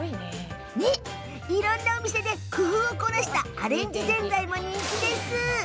いろんなお店で工夫を凝らしたアレンジぜんざいも人気。